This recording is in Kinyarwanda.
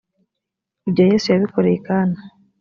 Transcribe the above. ibyo yesu yabikoreye i kana.